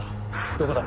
どこだ？